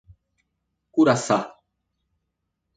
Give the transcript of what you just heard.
Curaçá